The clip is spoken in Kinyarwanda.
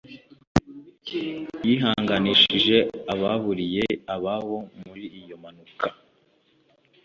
yihanganishije ababuriye ababo muri iyo mpanuka